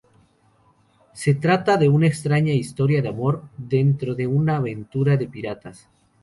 Se trata de una extraña historia de amor dentro de una aventura de piratas.